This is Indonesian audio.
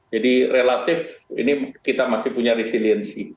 jadi relatif ini kita masih punya resiliensi